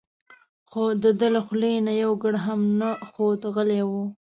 خو دده له خولې نه یو ګړ هم نه خوت غلی و.